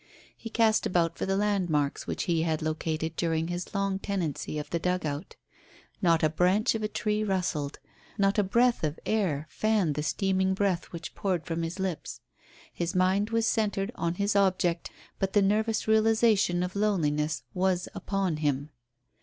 He cast about for the landmarks which he had located during his long tenancy of the dugout. Not a branch of a tree rustled. Not a breath of air fanned the steaming breath which poured from his lips. His mind was centred on his object, but the nervous realization of loneliness was upon him.